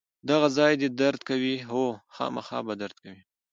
دغه ځای دې درد کوي؟ هو، خامخا به درد کوي.